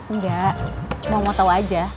enggak cuma mau tahu aja